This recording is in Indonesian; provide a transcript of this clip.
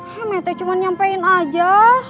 gak begitu met cuman nyampein aja